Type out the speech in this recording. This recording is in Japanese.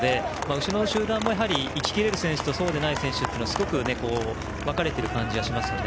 後ろの集団も行ききれる選手とそうでない選手というのが分かれている感じがしますね。